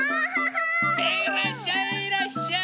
ヘイいらっしゃいいらっしゃい！